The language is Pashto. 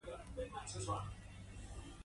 یوه بل سړي وویل: آرام اوسه، ځان کنټرول کړه.